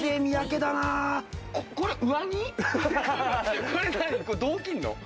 どう着んの？